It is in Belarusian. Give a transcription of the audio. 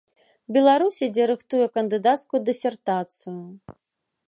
Беларусі, дзе рыхтуе кандыдацкую дысертацыю.